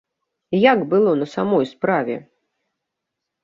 Як было на самой справе?